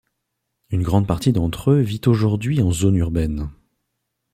Une grande partie d'entre eux vit aujourd'hui en zone urbaine.